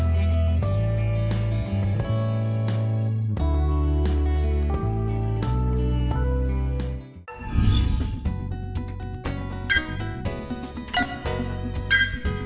hẹn gặp lại